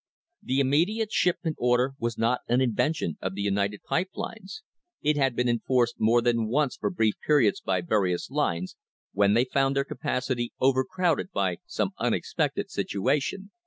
The immediate shipment order was not an invention of the United Pipe Lines. It had been enforced more than once for brief periods by various lines when they found their capacity overcrowded by some unexpected situation.